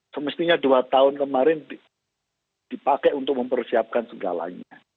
semestinya dua tahun kemarin dipakai untuk mempersiapkan segalanya